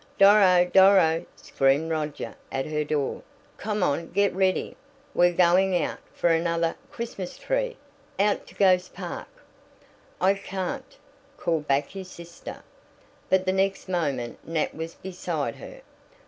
"Doro! Doro!" screamed Roger at her door. "Come on! Get ready! We're going out for another Christmas tree! Out to ghost park." "I can't!" called back his sister, but the next moment Nat was beside her.